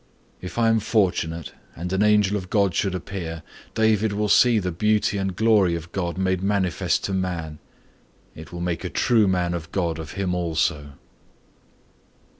If I am fortunate and an angel of God should appear, David will see the beauty and glory of God made manifest to man. It will make a true man of God of him also."